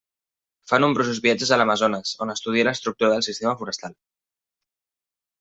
Fa nombrosos viatges a l'Amazones on estudia l'estructura del sistema forestal.